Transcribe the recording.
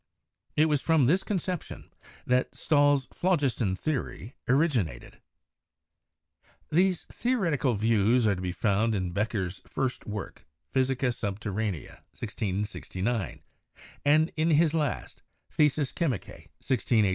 It was from this con ception that Stahl's phlogiston theory originated. These theoretical views are to be found in Becher's first work, 'Physica Subterranea' (1669), and in his last, 'Theses Chymicae' (1682).